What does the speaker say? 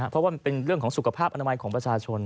เพราะว่ามันเป็นเรื่องของสุขภาพอนามัยของประชาชน